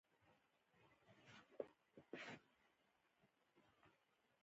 د ژوند د ټول مراحل له قدر کولو سره خوشحالي ترلاسه کول امکان لري.